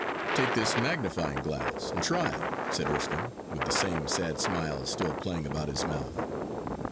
'Take this magnifying glass and try,' said Erskine, with the same sad smile still playing about his mouth.